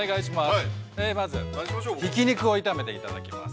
まず、ひき肉を炒めていただきます。